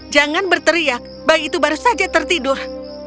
jangan berteriak bayi itu baru saja tertidur